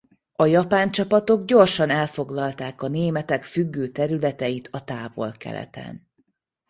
A japán csapatok gyorsan elfoglalták a németek függő területeit a Távol-Keleten.